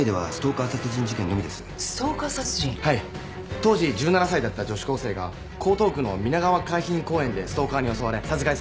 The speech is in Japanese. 当時１７歳だった女子高生が江東区の水川海浜公園でストーカーに襲われ殺害された事件です。